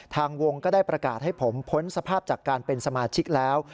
ทางวงก็ได้ประกาศให้ผมพ้นสภาพจากการเป็นสมาชิกแล้ว